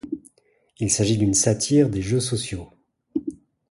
Il s'agit d'une satire des jeux sociaux.